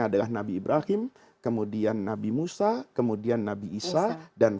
di tema sendiri ya